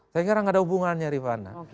saya kira nggak ada hubungannya rifana